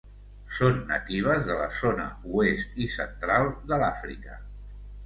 Són natives de la zona oest i central de l'Àfrica.